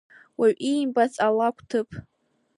Уаҩ иимбац алакә ҭыԥ!